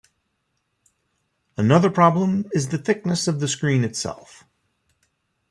Another problem is the thickness of the screen itself.